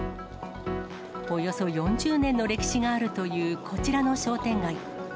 およそ４０年の歴史があるというこちらの商店街。